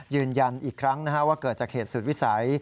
ยืนยันอีกครั้งว่าเกิดจากเหตุสุดวิสัย